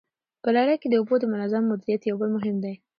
په لړۍ کي د اوبو د منظم مديريت يو بل مهم